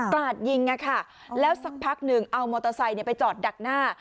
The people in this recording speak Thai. ราดยิงแล้วสักพักหนึ่งเอามอเตอร์ไซค์ไปจอดดักหน้า